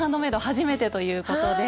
初めてということで。